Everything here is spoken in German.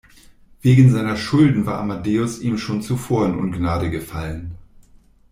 Wegen seiner Schulden war Amadeus ihm schon zuvor in Ungnade gefallen.